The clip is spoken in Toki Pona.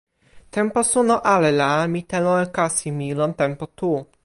tenpo suno ale la mi telo e kasi mi lon tenpo tu.